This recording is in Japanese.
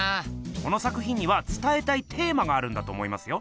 この作品にはつたえたいテーマがあるんだと思いますよ。